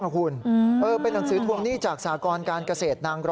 คุณคิดดูคนเท่าคนแขกหล่า